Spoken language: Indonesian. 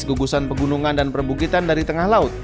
gugusan pegunungan dan perbukitan dari tengah laut